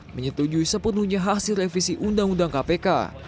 menyetujui sepenuhnya hasil revisi undang undang kpk